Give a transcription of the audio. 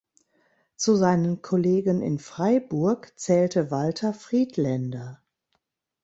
Zu seinen Kollegen in Freiburg zählte Walter Friedlaender.